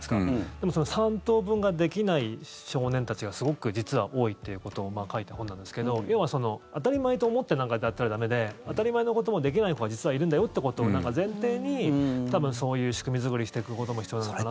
でも３等分ができない少年たちがすごく実は多いということを書いた本なんですけど要は、当たり前と思っていたら駄目で当たり前のこともできない子が実はいるんだよってことを前提に多分、そういう仕組み作りをしていくことも必要なのかなと。